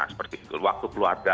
seperti itu waktu keluarga